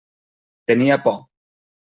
Tenia por.